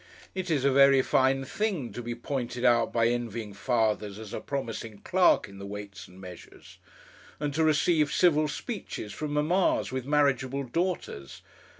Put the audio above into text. It is a very fine thing to be pointed out by envying fathers as a promising clerk in the Weights and Measures, and to receive civil speeches from mammas with marriageable daughters.